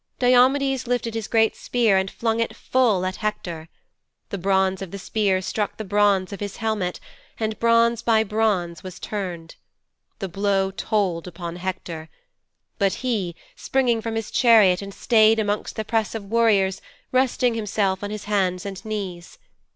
Diomedes lifted his great spear and flung it full at Hector. The bronze of the spear struck the bronze of his helmet, and bronze by bronze was turned. The blow told upon Hector. But he, springing from his chariot, stayed amongst the press of warriors, resting himself on his hands and knees.